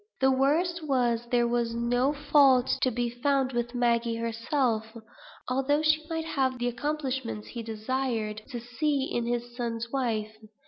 The worst was, there was no fault to be found with Maggie herself, although she might want the accomplishments he desired to see in his son's wife.